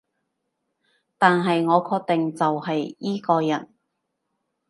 但係我確定就係依個人